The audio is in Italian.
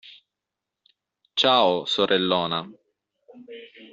Ciao, sorellona.